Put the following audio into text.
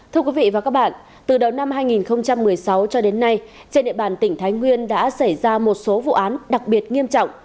thưa quý vị và các bạn từ đầu năm hai nghìn một mươi sáu cho đến nay trên địa bàn tỉnh thái nguyên đã xảy ra một số vụ án đặc biệt nghiêm trọng